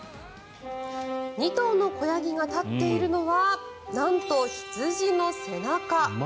２頭の子ヤギが立っているのはなんと、羊の背中。